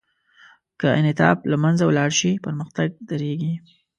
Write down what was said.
که انعطاف له منځه ولاړ شي، پرمختګ درېږي.